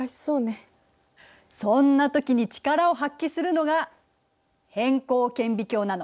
そんな時に力を発揮するのが偏光顕微鏡なの。